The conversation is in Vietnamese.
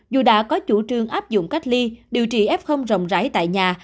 dù đã có chủ trương áp dụng cách ly điều trị f rộng rãi tại nhà